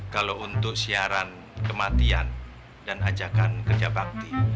kalau untuk siaran kematian dan ajakan kerja bakti